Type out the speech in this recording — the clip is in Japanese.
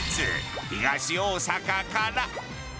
東大阪から。